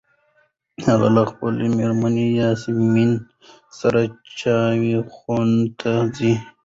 هغه له خپلې مېرمنې یاسمین سره چای خونو ته ځي.